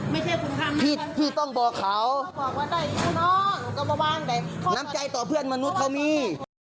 ไม่ใช่คุณทำแล้วครับค่ะพี่ต้องบอกเขาน้ำใจต่อเพื่อนมนุษย์เขามี